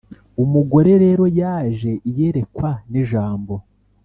umugore rero yaje - iyerekwa nijambo